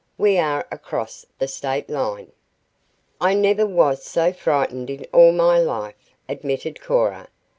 We are across the State line." "I never was so frightened in my life," admitted Cora.